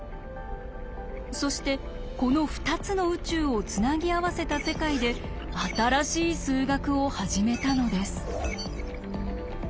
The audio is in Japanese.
そしてこの２つの「宇宙」をつなぎ合わせた世界で新しい数学を始めたのです。